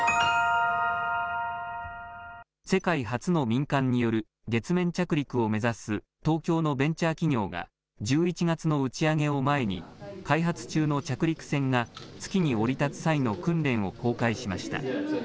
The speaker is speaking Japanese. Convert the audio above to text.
世界初の民間による月面着陸を目指す東京のベンチャー企業が、１１月の打ち上げを前に、開発中の着陸船が月に降り立つ際の訓練を公開しました。